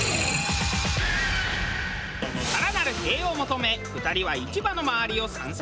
更なる「へぇ」を求め２人は市場の周りを散策。